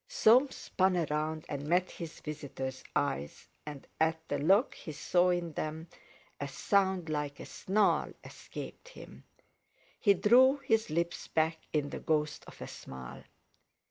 Soames spun round, and met his visitor's eyes, and at the look he saw in them, a sound like a snarl escaped him. He drew his lips back in the ghost of a smile.